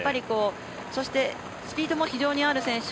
そしてスピードも非常にある選手、